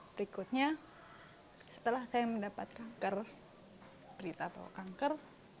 berikutnya setelah saya mendapat kanker berita bahwa kanker